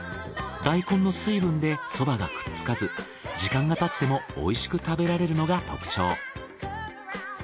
大根の水分でそばがくっつかず時間が経っても美味しく食べられるのが特徴。